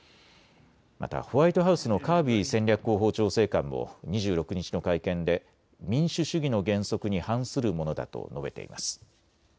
またホワイトハウスのカービー戦略広報調整官も２６日の会見で民主主義の原則に反するものだと述べています。